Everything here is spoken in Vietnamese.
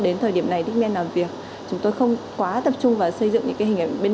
đến thời điểm này dickman làm việc chúng tôi không quá tập trung vào xây dựng những cái hình ảnh bên